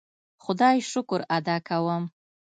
خدای شکر ادا کوم.